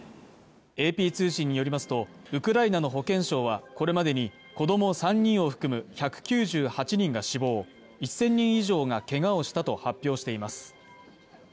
ＡＰ通信によりますとウクライナの保健相はこれまでに子供３人を含む１９８人が死亡、１０００人以上がけがをしたと発表しています。